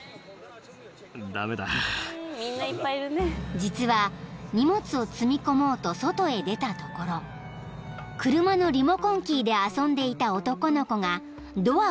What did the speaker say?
［実は荷物を積み込もうと外へ出たところ車のリモコンキーで遊んでいた男の子がドアをロック］